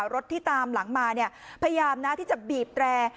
รถที่ตามหลังมาพยายามนะที่จะบีบแตร